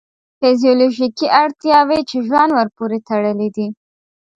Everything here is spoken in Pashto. فیزیولوژیکې اړتیاوې چې ژوند ورپورې تړلی دی.